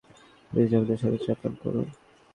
Please, আমাদের সাথে চা পান করুন?